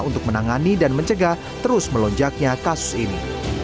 untuk menangani dan mencegah terus melonjaknya kasus ini